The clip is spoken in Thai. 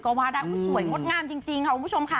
ก็ว่าได้สวยงดงามจริงค่ะคุณผู้ชมค่ะ